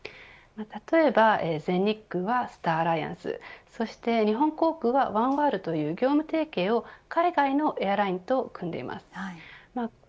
例えば全日空はスターアライアンスそして日本航空はワンワールドだという業務提携を海外のエアラインと組んでいます。